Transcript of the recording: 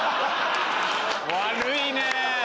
悪いね。